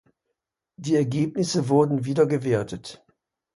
Die Ergebnisse wurden wieder gewertet.